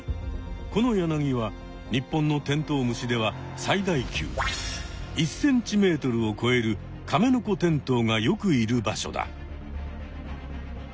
このヤナギは日本のテントウムシでは最大級１ｃｍをこえるカメノコテントウがよくいる場所だ。